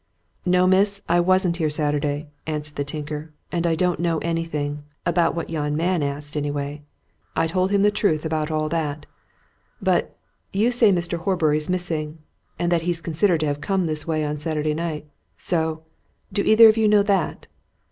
"No, miss, I wasn't here Saturday," answered the tinker, "and I don't know anything about what yon man asked, anyway I told him the truth about all that. But you say Mr. Horbury's missing, and that he's considered to have come this way on Saturday night. So do either of you know that?"